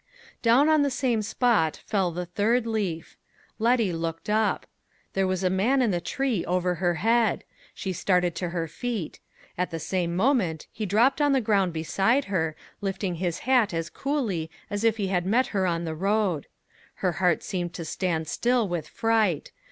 Down on the same spot fell the third leaf. Letty looked up. There was a man in the tree over her head. She started to her feet. At the same moment, he dropped on the ground beside her, lifting his hat as coolly as if he had met her on the road. Her heart seemed to stand still with fright.